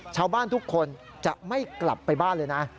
ชาวบ้านทุกคนจะไม่กลับไปบ้านเลยนะ